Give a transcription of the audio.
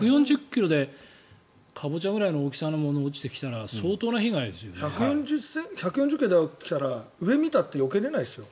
１４０ｋｍでカボチャぐらいの大きさのものが落ちてきたら１４０ｋｍで落ちてきたら上を見たってよけられないですよ。